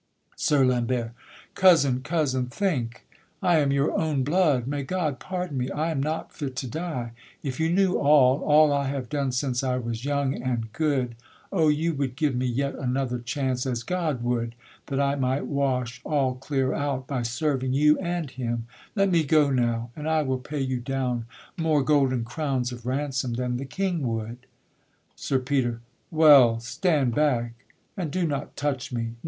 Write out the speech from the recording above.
SIR LAMBERT. Cousin! cousin! think! I am your own blood; may God pardon me! I am not fit to die; if you knew all, All I have done since I was young and good. O! you would give me yet another chance, As God would, that I might wash all clear out, By serving you and Him. Let me go now! And I will pay you down more golden crowns Of ransom than the king would! SIR PETER. Well, stand back, And do not touch me!